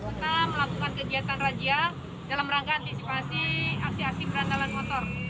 serta melakukan kegiatan razia dalam rangka antisipasi aksi aksi berantalan motor